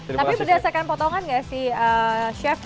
tapi berdasarkan potongan nggak sih chef